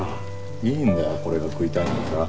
いいんだよこれが食いたいんだから。